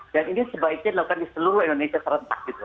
dan ini sebaiknya dilakukan di seluruh indonesia serentak gitu